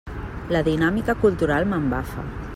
La dinàmica cultural m'embafa.